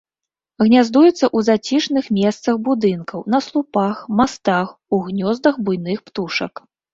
Гняздуецца ў зацішных месцах будынкаў, на слупах, мастах, у гнёздах буйных птушак.